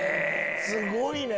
すごいね！